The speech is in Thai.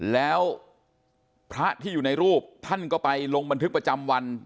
แล้วพระที่อยู่ในรูปท่านก็ไปลงบันทึกประจำวัน